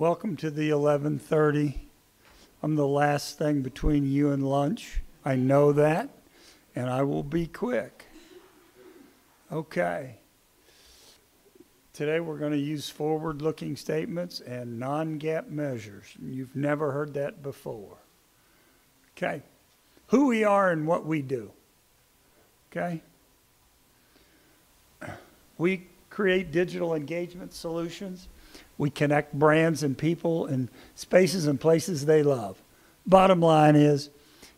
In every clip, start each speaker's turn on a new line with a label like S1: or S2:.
S1: Welcome to the 11:30 A.M. I'm the last thing between you and lunch. I know that, and I will be quick. Okay. Today we're going to use forward-looking statements and non-GAAP measures. You've never heard that before. Okay. Who we are and what we do. Okay. We create digital engagement solutions. We connect brands and people in spaces and places they love. Bottom line is,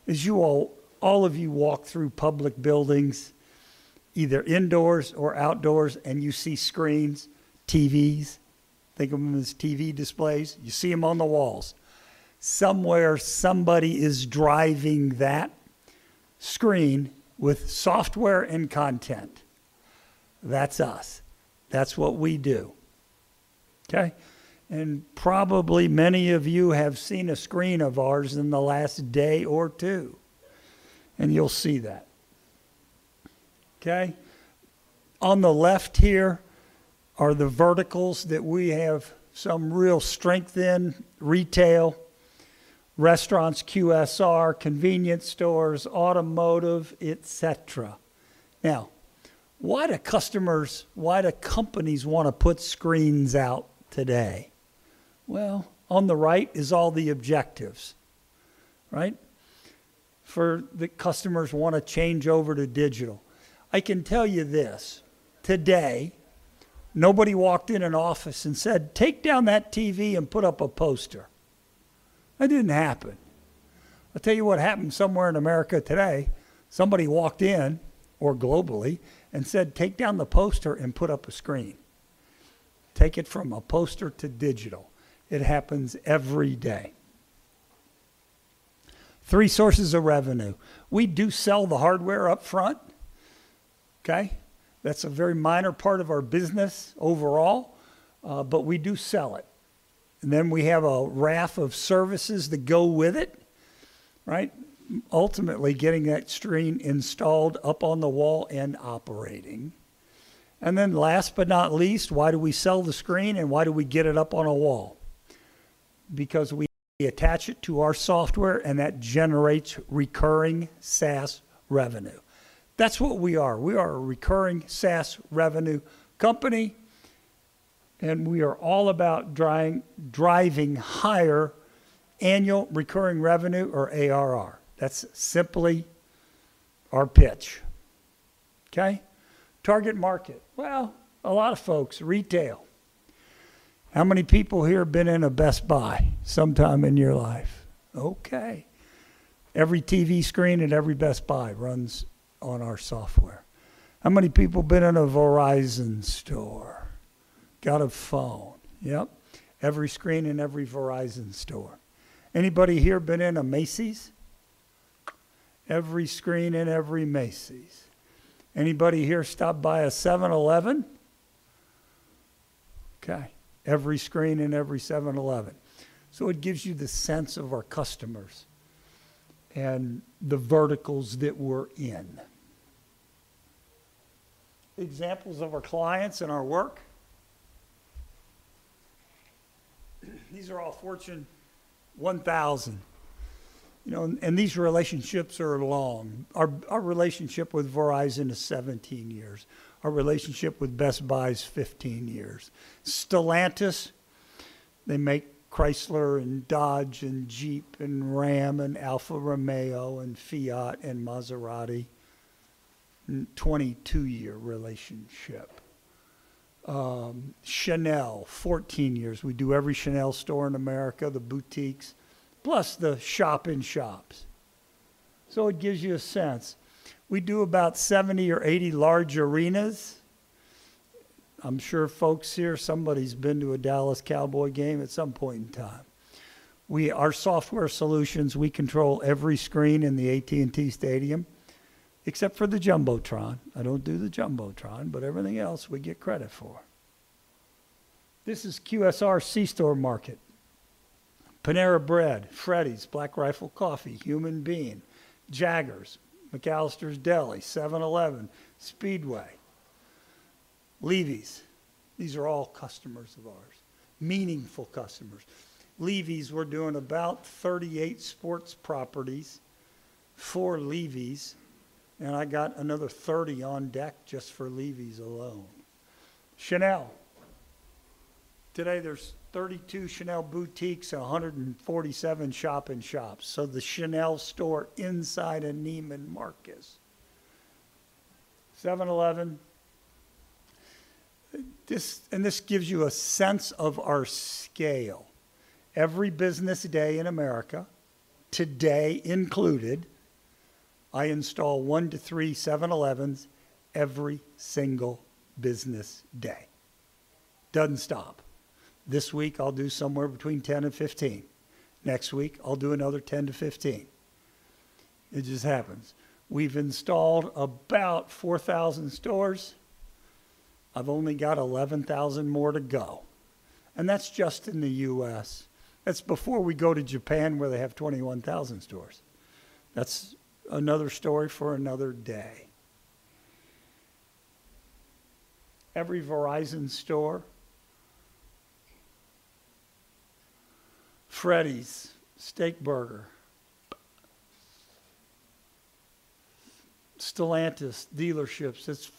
S1: as you all, all of you walk through public buildings, either indoors or outdoors, and you see screens, TVs. Think of them as TV displays. You see them on the walls. Somewhere, somebody is driving that screen with software and content. That's us. That's what we do. Okay. And probably many of you have seen a screen of ours in the last day or two, and you'll see that. Okay. On the left here are the verticals that we have some real strength in: retail, restaurants, QSR, convenience stores, automotive, etc. Now, why do customers, why do companies want to put screens out today? Well, on the right is all the objectives, right? For the customers want to change over to digital. I can tell you this: today, nobody walked in an office and said, "Take down that TV and put up a poster." That didn't happen. I'll tell you what happened somewhere in America today. Somebody walked in, or globally, and said, "Take down the poster and put up a screen." Take it from a poster to digital. It happens every day. Three sources of revenue. We do sell the hardware upfront. Okay. That's a very minor part of our business overall, but we do sell it. And then we have a raft of services that go with it, right? Ultimately, getting that screen installed up on the wall and operating. And then last but not least, why do we sell the screen and why do we get it up on a wall? Because we attach it to our software and that generates recurring SaaS revenue. That's what we are. We are a recurring SaaS revenue company, and we are all about driving higher annual recurring revenue, or ARR. That's simply our pitch. Okay. Target market. Well, a lot of folks, retail. How many people here have been in a Best Buy sometime in your life? Okay. Every TV screen and every Best Buy runs on our software. How many people have been in a Verizon store? Got a phone. Yep. Every screen in every Verizon store. Anybody here been in a Macy's? Every screen in every Macy's. Anybody here stopped by a 7-Eleven? Okay. Every screen in every 7-Eleven. So it gives you the sense of our customers and the verticals that we're in. Examples of our clients and our work. These are all Fortune 1000. You know, and these relationships are long. Our relationship with Verizon is 17 years. Our relationship with Best Buy is 15 years. Stellantis, they make Chrysler and Dodge and Jeep and Ram and Alfa Romeo and Fiat and Maserati. 22-year relationship. Chanel, 14 years. We do every Chanel store in America, the boutiques, plus the shop-in-shops. So it gives you a sense. We do about 70 or 80 large arenas. I'm sure folks here, somebody's been to a Dallas Cowboys game at some point in time. Our software solutions, we control every screen in the AT&T Stadium, except for the Jumbotron. I don't do the Jumbotron, but everything else we get credit for. This is QSR C-store Market. Panera Bread, Freddy's, Black Rifle Coffee, Human Bean, Jaggers, McAlister's Deli, 7-Eleven, Speedway, Levi's. These are all customers of ours. Meaningful customers. Levi's, we're doing about 38 sports properties for Levi's, and I got another 30 on deck just for Levi's alone. Chanel. Today there's 32 Chanel boutiques, 147 shop-in-shops. So the Chanel store inside a Neiman Marcus. 7-Eleven. And this gives you a sense of our scale. Every business day in America, today included, I install one to three 7-Elevens every single business day. Doesn't stop. This week I'll do somewhere between 10 and 15. Next week I'll do another 10 to 15. It just happens. We've installed about 4,000 stores. I've only got 11,000 more to go. And that's just in the U.S. That's before we go to Japan where they have 21,000 stores. That's another story for another day. Every Verizon store. Freddy's, Steakburger. Stellantis, dealerships.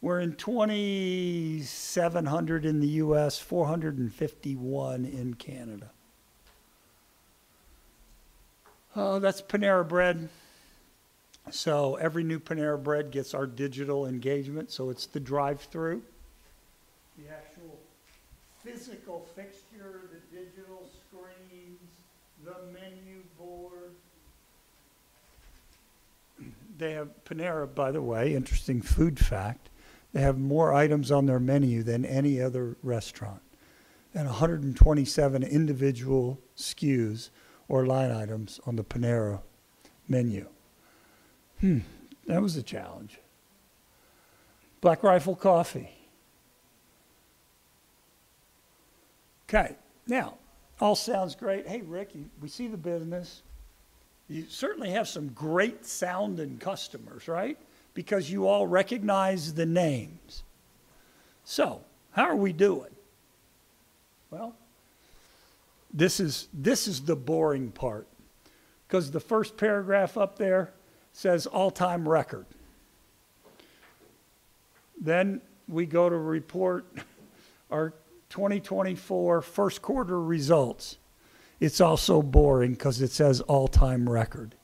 S1: We're in 2,700 in the U.S., 451 in Canada. Oh, that's Panera Bread. So every new Panera Bread gets our digital engagement. So it's the drive-through. The actual physical fixture, the digital screens, the menu board. They have Panera, by the way, interesting food fact. They have more items on their menu than any other restaurant, and 127 individual SKUs or line items on the Panera menu. That was a challenge. Black Rifle Coffee. Okay. Now, all sounds great. Hey, Rick, we see the business. You certainly have some great sounding customers, right? Because you all recognize the names, so how are we doing? Well, this is the boring part. Because the first paragraph up there says all-time record, then we go to report our 2024 first quarter results. It's also boring because it says all-time record.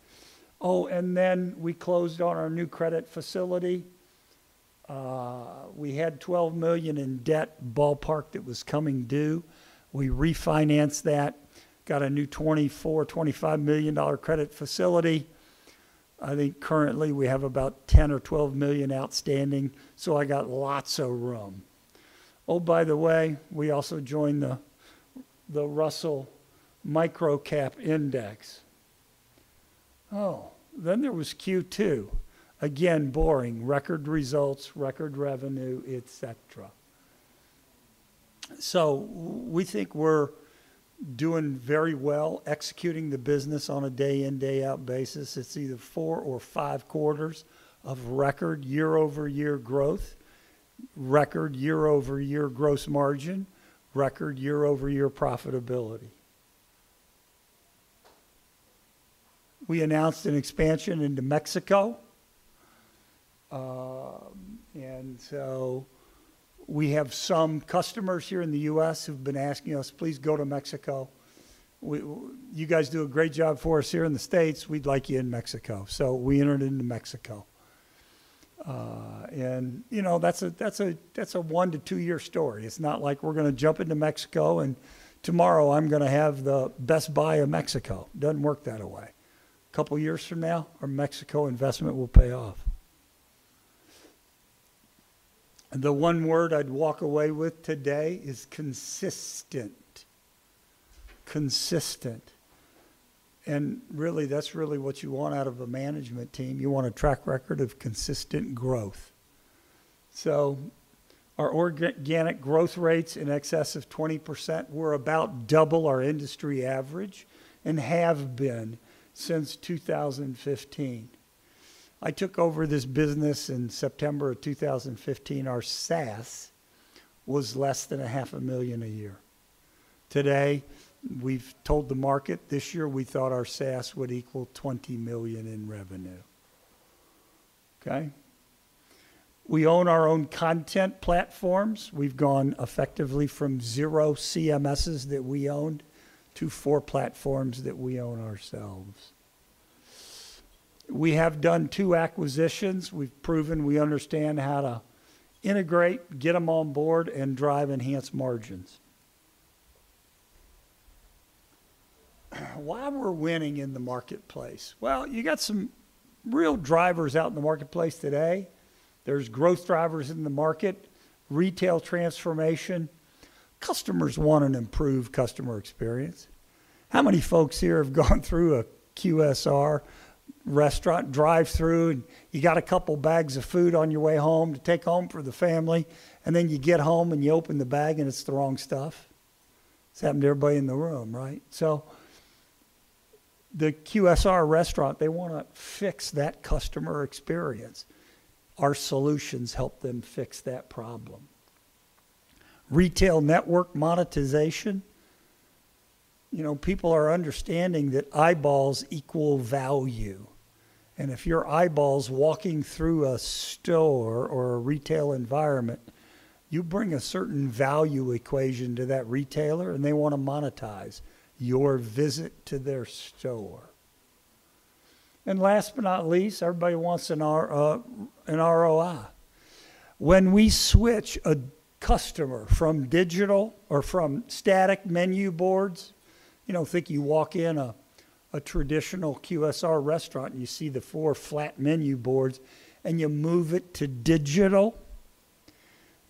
S1: Oh, and then we closed on our new credit facility. We had $12 million in debt ballpark that was coming due. We refinanced that. Got a new $24 to 25 million credit facility. I think currently we have about $10 to 12 million outstanding. I got lots of room. Oh, by the way, we also joined the Russell Microcap Index. Oh, then there was Q2. Again, boring. Record results, record revenue, etc. We think we're doing very well executing the business on a day in, day out basis. It's either four or five quarters of record year-over-year growth, record year-over-year gross margin, record year-over-year profitability. We announced an expansion into Mexico. We have some customers here in the U.S. who've been asking us, "Please go to Mexico. You guys do a great job for us here in the States. We'd like you in Mexico." We entered into Mexico. You know, that's a one to two-year story. It's not like we're going to jump into Mexico and tomorrow I'm going to have the Best Buy of Mexico. Doesn't work that way. A couple of years from now, our Mexico investment will pay off. The one word I'd walk away with today is consistent. Consistent, and really, that's really what you want out of a management team. You want a track record of consistent growth, so our organic growth rates in excess of 20% were about double our industry average and have been since 2015. I took over this business in September of 2015. Our SaaS was less than $500,000 a year. Today, we've told the market this year we thought our SaaS would equal $20 million in revenue. Okay. We own our own content platforms. We've gone effectively from zero CMSs that we owned to four platforms that we own ourselves. We have done two acquisitions. We've proven we understand how to integrate, get them on board, and drive enhanced margins. Why we're winning in the marketplace? Well, you got some real drivers out in the marketplace today. There's growth drivers in the market, retail transformation. Customers want an improved customer experience. How many folks here have gone through a QSR restaurant drive-through and you got a couple bags of food on your way home to take home for the family, and then you get home and you open the bag and it's the wrong stuff? It's happened to everybody in the room, right? So the QSR restaurant, they want to fix that customer experience. Our solutions help them fix that problem. Retail network monetization. You know, people are understanding that eyeballs equal value. And if your eyeballs walking through a store or a retail environment, you bring a certain value equation to that retailer and they want to monetize your visit to their store. And last but not least, everybody wants an ROI. When we switch a customer from digital or from static menu boards, you know, think you walk in a traditional QSR restaurant and you see the four flat menu boards and you move it to digital,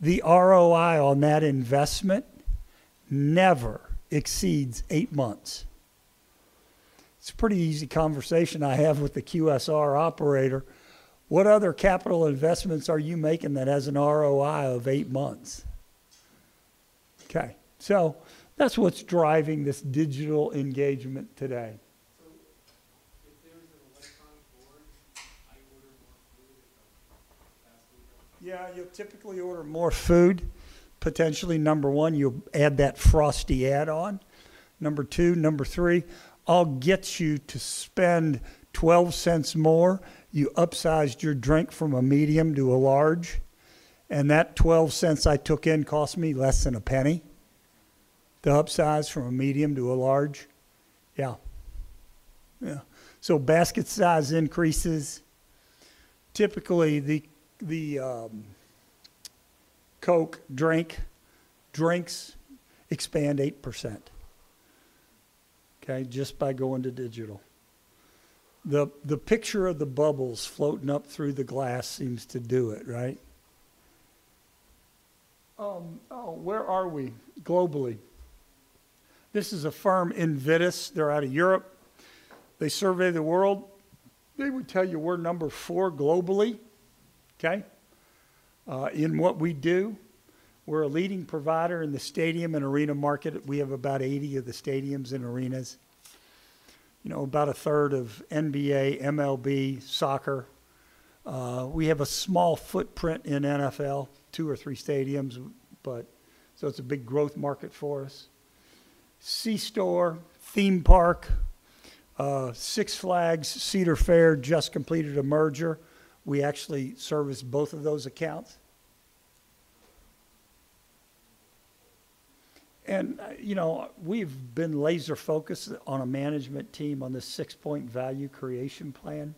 S1: the ROI on that investment never exceeds eight months. It's a pretty easy conversation I have with the QSR operator. What other capital investments are you making that has an ROI of eight months? Okay. So that's what's driving this digital engagement today. So if there's an electronic board, I order more food at the fast food. Yeah, you'll typically order more food. Potentially, number one, you'll add that frosty add-on. Number two, number three, I'll get you to spend 12 cents more. You upsized your drink from a medium to a large. And that 12 cents I took in cost me less than a penny. The upsize from a medium to a large. Yeah. Yeah. So basket size increases. Typically, the Coke drink, drinks expand 8%. Okay. Just by going to digital. The picture of the bubbles floating up through the glass seems to do it, right? Oh, where are we globally? This is a firm in Venice. They're out of Europe. They survey the world. They would tell you we're number four globally. Okay. In what we do, we're a leading provider in the stadium and arena market. We have about 80 of the stadiums and arenas. You know, about a third of NBA, MLB, soccer. We have a small footprint in NFL, two or three stadiums, but so it's a big growth market for us. C-store, theme parks, Six Flags, Cedar Fair just completed a merger. We actually service both of those accounts. And you know, we've been laser focused as a management team on the six-point value creation plan.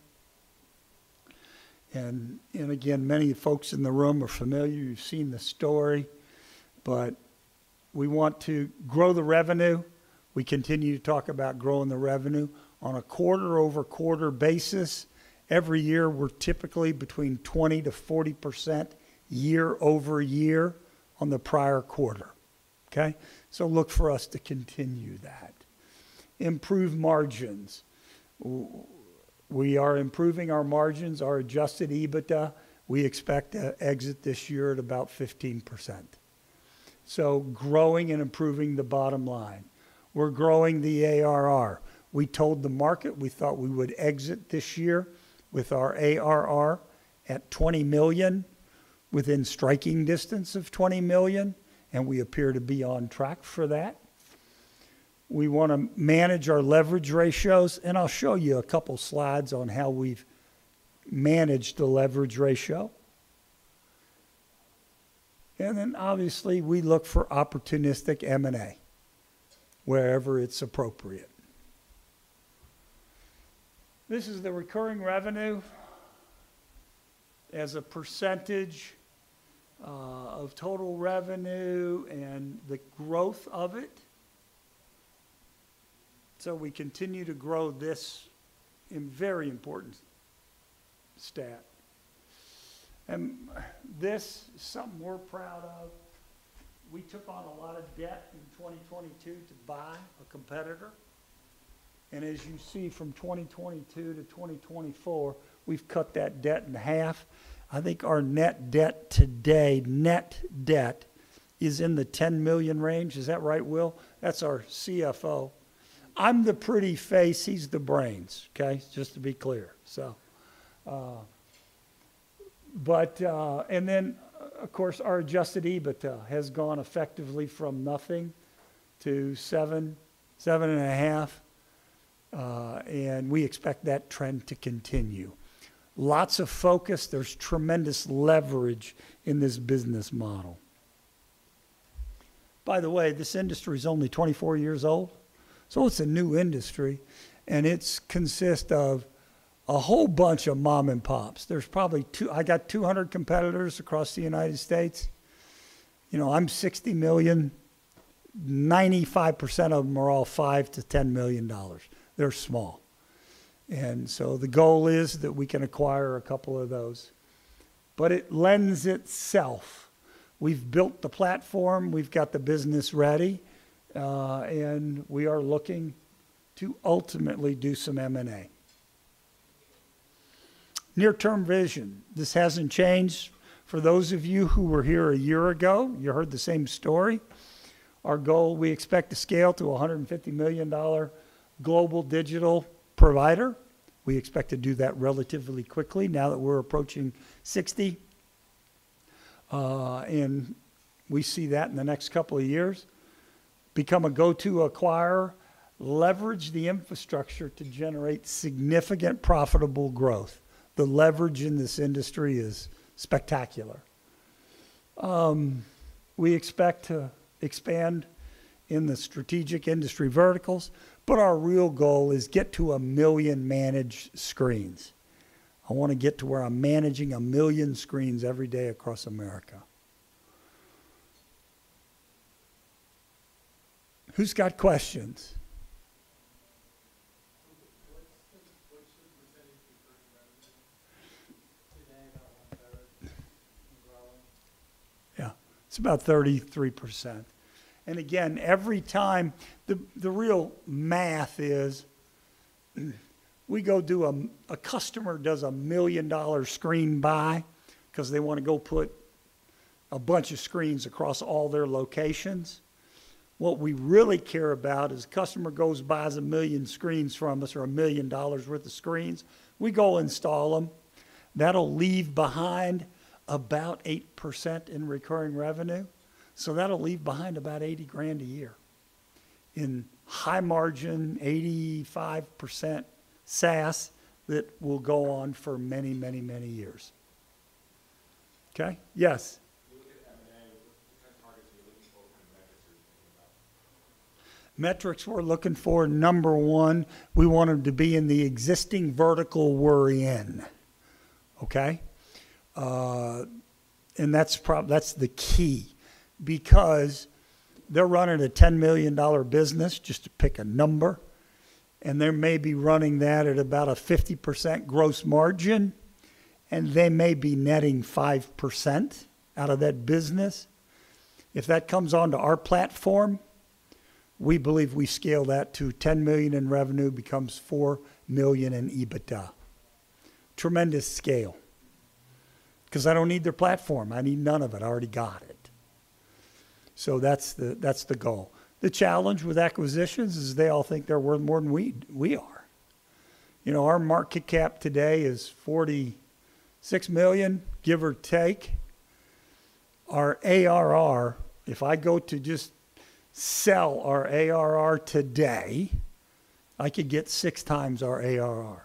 S1: And again, many folks in the room are familiar. You've seen the story, but we want to grow the revenue. We continue to talk about growing the revenue on a quarter-over-quarter basis. Every year, we're typically between 20%-40% year-over-year on the prior quarter. Okay. So look for us to continue that. Improve margins. We are improving our margins, our adjusted EBITDA. We expect to exit this year at about 15%. So growing and improving the bottom line. We're growing the ARR. We told the market we thought we would exit this year with our ARR at $20 million, within striking distance of $20 million, and we appear to be on track for that. We want to manage our leverage ratios, and I'll show you a couple slides on how we've managed the leverage ratio. And then obviously, we look for opportunistic M&A wherever it's appropriate. This is the recurring revenue as a percentage of total revenue and the growth of it. So we continue to grow this in very important stat. And this is something we're proud of. We took on a lot of debt in 2022 to buy a competitor. And as you see from 2022 to 2024, we've cut that debt in half. I think our net debt today, net debt is in the $10 million range. Is that right, Will? That's our CFO. I'm the pretty face. He's the brains. Okay. Just to be clear. So. But, and then of course, our Adjusted EBITDA has gone effectively from nothing to $7 to 7.5 million. And we expect that trend to continue. Lots of focus. There's tremendous leverage in this business model. By the way, this industry is only 24 years old. So it's a new industry. And it consists of a whole bunch of mom and pops. There's probably 200 competitors across the United States. You know, I'm $60 million. 95% of them are all $5 to 10 million. They're small. And so the goal is that we can acquire a couple of those. But it lends itself. We've built the platform. We've got the business ready. And we are looking to ultimately do some M&A. Near-term vision. This hasn't changed. For those of you who were here a year ago, you heard the same story. Our goal, we expect to scale to a $150 million global digital provider. We expect to do that relatively quickly now that we're approaching 60. And we see that in the next couple of years. Become a go-to acquirer. Leverage the infrastructure to generate significant profitable growth. The leverage in this industry is spectacular. We expect to expand in the strategic industry verticals. But our real goal is get to a million managed screens. I want to get to where I'm managing a million screens every day across America. Who's got questions? What's the percentage of recurring revenue today? About one-third growing. Yeah. It's about 33%. And again, every time the real math is we go do a customer does a $1 million screen buy because they want to go put a bunch of screens across all their locations. What we really care about is a customer goes buys a million screens from us or a $1 million worth of screens. We go install them. That'll leave behind about 8% in recurring revenue. So that'll leave behind about $80,000 a year in high margin, 85% SaaS that will go on for many, many, many years. Okay. Yes. When you look at M&A, what kind of targets are you looking for? What kind of metrics are you thinking about? Metrics we're looking for, number one, we want them to be in the existing vertical we're in. Okay, and that's the key because they're running a $10 million business, just to pick a number. And they may be running that at about a 50% gross margin. And they may be netting 5% out of that business. If that comes onto our platform, we believe we scale that to $10 million in revenue becomes $4 million in EBITDA. Tremendous scale. Because I don't need their platform. I need none of it. I already got it. So that's the goal. The challenge with acquisitions is they all think they're worth more than we are. You know, our market cap today is $46 million, give or take. Our ARR, if I go to just sell our ARR today, I could get six times our ARR.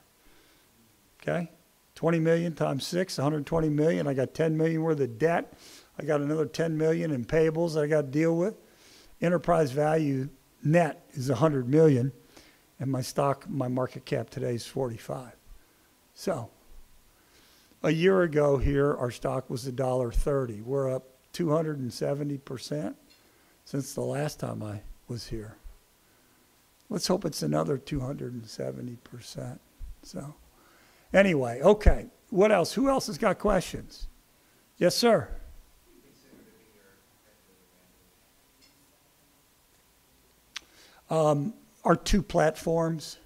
S1: Okay. $20 million times six, $120 million. I got $10 million worth of debt. I got another $10 million in payables that I got to deal with. Enterprise value net is $100 million. And my stock, my market cap today is $45 million. So a year ago here, our stock was a $1.30. We're up 270% since the last time I was here. Let's hope it's another 270%. So anyway, okay. What else? Who else has got questions? Yes, sir. Do you consider the newer competitive advantage? Our two platforms.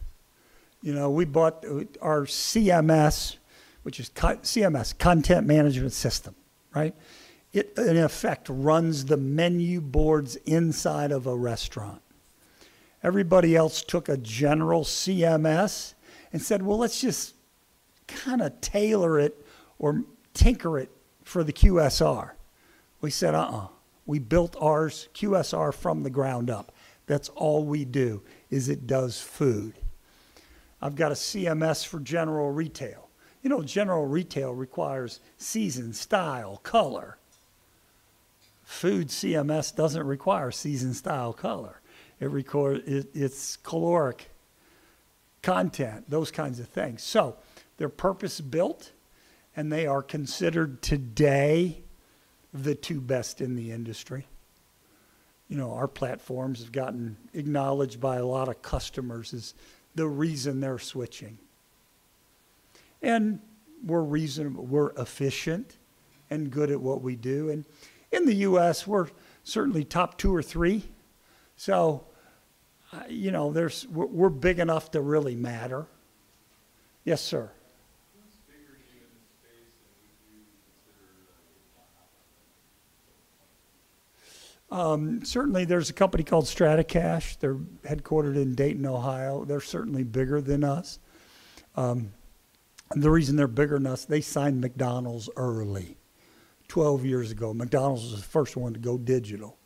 S1: You know, we bought our CMS, which is CMS, Content Management System, right? It in effect runs the menu boards inside of a restaurant. Everybody else took a general CMS and said, well, let's just kind of tailor it or tinker it for the QSR. We said, uh-uh. We built ours QSR from the ground up. That's all we do is it does food. I've got a CMS for general retail. You know, general retail requires seasons, style, color. Food CMS doesn't require seasons, style, color. It's caloric content, those kinds of things. So they're purpose-built and they are considered today the two best in the industry. You know, our platforms have gotten acknowledged by a lot of customers as the reason they're switching. And we're reasonable. We're efficient and good at what we do. And in the US, we're certainly top two or three. So you know, we're big enough to really matter. Yes, sir. What's bigger to you in this space than what you consider the top? Certainly, there's a company called Stratacache. They're headquartered in Dayton, Ohio. They're certainly bigger than us. The reason they're bigger than us, they signed McDonald's early, 12 years ago. McDonald's was the first one to go digital.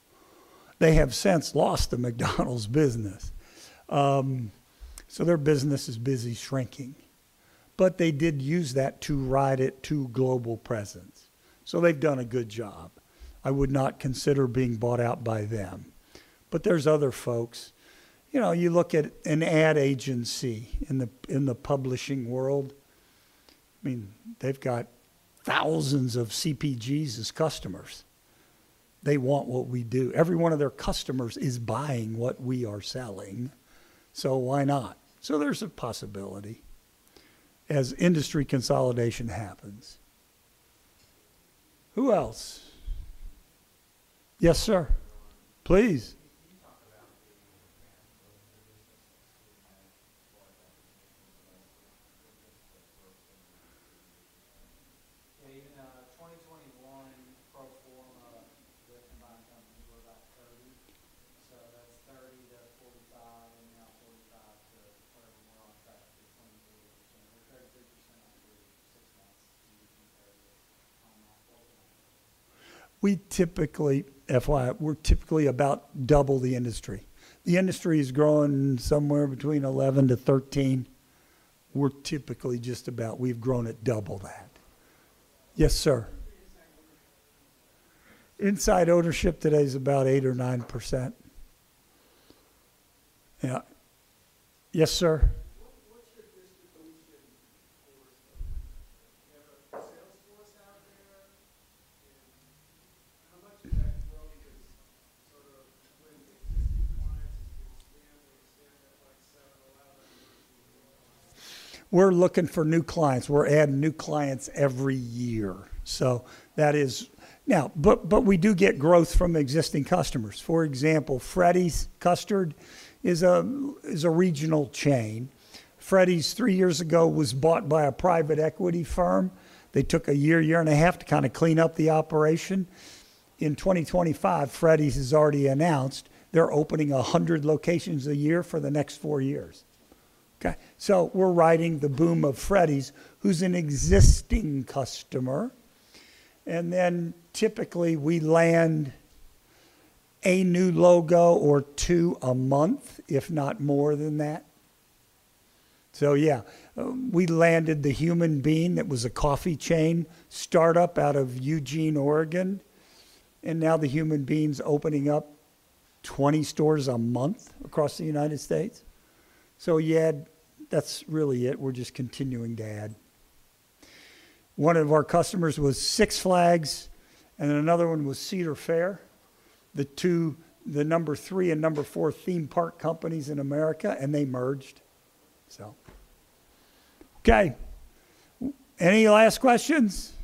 S1: They have since lost the McDonald's business. So their business is busily shrinking. But they did use that to ride it to global presence. So they've done a good job. I would not consider being bought out by them. But there's other folks. You know, you look at an ad agency in the publishing world. I mean, they've got thousands of CPGs as customers. They want what we do. Every one of their customers is buying what we are selling. So why not? So there's a possibility as industry consolidation happens. Who else? Yes, sir. Please. Can you talk about the advantage of the business that you had before that you mentioned the legacy business that worked in the previous year? In 2021, pro forma with combined companies were about 30. So that's 30 to 45, and now 45 to 30. We're on track for 23%. We're 33% after six months. Can you compare this to that? We typically, FYI, we're typically about double the industry. The industry is growing somewhere between 11%-13%. We're typically just about, we've grown at double that. Yes, sir. Inside ownership today is about 8% or 9%. Yeah. Yes, sir. What's your distribution for? You have a sales force out there. And how much of that growth is sort of when existing clients expand or expand that by several hours? We're looking for new clients. We're adding new clients every year. So that is now, but we do get growth from existing customers. For example, Freddy's Custard is a regional chain. Freddy's, three years ago, was bought by a private equity firm. They took a year, year and a half to kind of clean up the operation. In 2025, Freddy's has already announced they're opening 100 locations a year for the next four years. Okay. So we're riding the boom of Freddy's, who's an existing customer. And then typically we land a new logo or two a month, if not more than that. So yeah, we landed the Human Bean that was a coffee chain startup out of Eugene, Oregon. And now the Human Bean's opening up 20 stores a month across the United States. So yeah, that's really it. We're just continuing to add. One of our customers was Six Flags and another one was Cedar Fair, the two, the number three and number four theme park companies in America, and they merged. So. Okay. Any last questions?